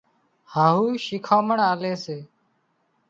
هاهُو شيکامڻ آلي سي